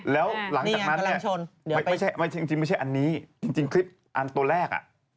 แล้วหลังจากนั้นไม่ใช่อันนี้จริงคลิปอันตัวแรก